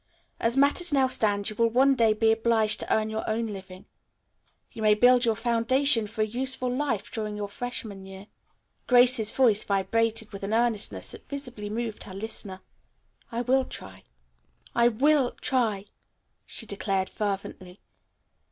As matters now stand you will one day be obliged to earn your own living. You must build your foundation for a useful life during your freshman year." Grace's voice vibrated with an earnestness that visibly moved her listener. "I will try. I will try," she declared fervently.